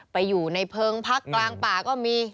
ไปอยู่ในเพิงพักกลางป่าก็มี